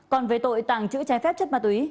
còn về tội tàng trữ trái phép chất ma túy